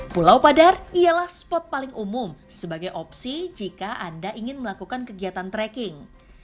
pulau padar ialah spot paling umum sebagai opsi jika anda ingin melakukan kegiatan tracking